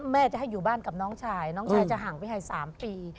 แม่จะให้อยู่บ้านกับน้องชายน้องชายจะห่างไปให้๓ปี